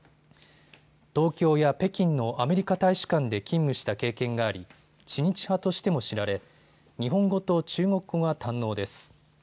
東京や北京のアメリカ大使館で勤務した経験があり知日派としても知られ、日本語と中国語が堪能です。